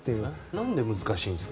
何で難しいんですか？